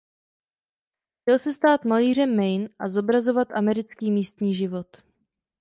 Chtěl se stát „malířem Maine“ a zobrazovat americký místní život.